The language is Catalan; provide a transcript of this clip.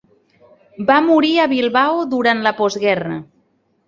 Va morir a Bilbao durant la postguerra.